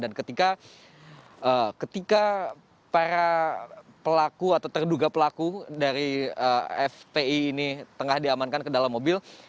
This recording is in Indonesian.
dan ketika para pelaku atau terduga pelaku dari fpi ini tengah diamankan ke dalam mobil